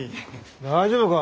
大丈夫か？